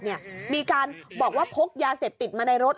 บอกที่พบยาเสพมาในรถ